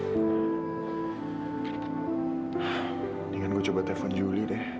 mendingan gue coba telfon juli deh